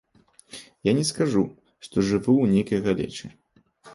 Я не скажу, што жыву ў нейкай галечы.